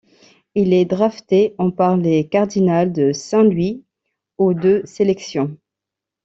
Il est drafté en par les Cardinals de Saint-Louis au de sélection.